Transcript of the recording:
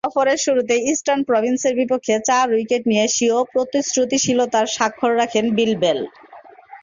সফরের শুরুতে ইস্টার্ন প্রভিন্সের বিপক্ষে চার উইকেট নিয়ে স্বীয় প্রতিশ্রুতিশীলতার স্বাক্ষর রাখেন বিল বেল।